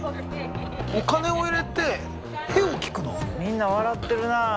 みんな笑ってるなあ。